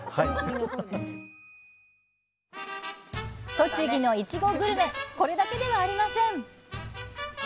栃木のいちごグルメこれだけではありません！